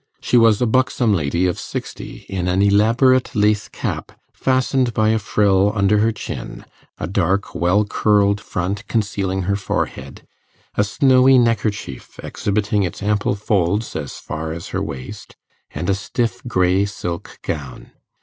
She was a buxom lady of sixty, in an elaborate lace cap fastened by a frill under her chin, a dark, well curled front concealing her forehead, a snowy neckerchief exhibiting its ample folds as far as her waist, and a stiff grey silk gown.